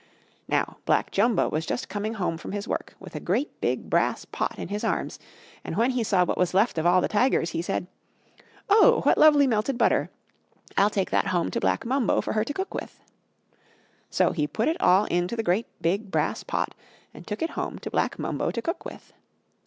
Now Black Jumbo was just coming home from his work, with a great big brass pot in his arms, and when he saw what was left of all the Tigers, he said, "Oh! what lovely melted butter! I'll take that home to Black Mumbo for her to cook with." So he put it all into the great big brass pot, and took it home to Black Mumbo to cook with.